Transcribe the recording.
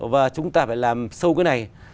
và chúng ta phải làm sâu cái này